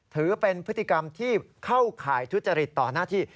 ถือเป็นพฤติกรรมที่เข้าข่ายทุจริตต่อหน้าที่